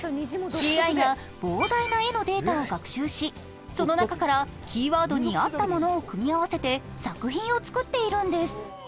ＡＩが膨大な絵のデータを学習し、その中からキーワードに合ったものを組み合わせて作品を作っているんです。